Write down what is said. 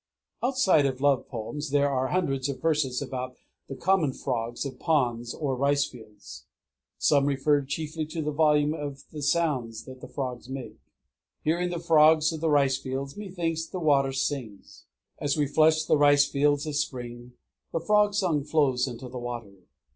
_ Outside of love poems there are hundreds of verses about the common frogs of ponds or ricefields. Some refer chiefly to the volume of the sound that the frogs make: Hearing the frogs of the ricefields, methinks that the water sings. _As we flush the ricefields of spring, the frog song flows with the water.